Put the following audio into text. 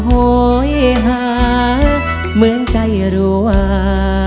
โหยหาเหมือนใจรัว